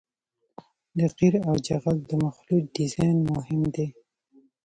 د قیر او جغل د مخلوط ډیزاین مهم دی